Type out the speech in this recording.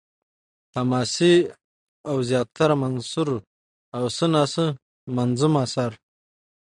حماسې او زياتره منثور او څه نا څه منظوم اثار